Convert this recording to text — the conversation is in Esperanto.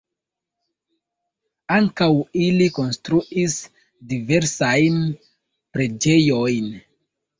Ankaŭ ili konstruis diversajn preĝejojn.